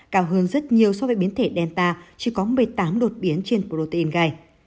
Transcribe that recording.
cao hơn rất nhiều so với biến thể delta chỉ có một mươi tám đột biến trên protein gai